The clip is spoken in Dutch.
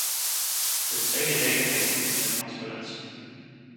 De tweede reden heeft van doen met transparantie.